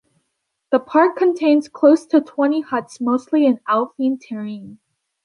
The park contains close to twenty huts, mostly in alpine terrain.